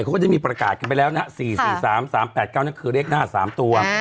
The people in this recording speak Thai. ก็ได้มีประกาศกันไปแล้วนะ๔๔๓๓๘๙นั่นคือเลขหน้า๓ตัว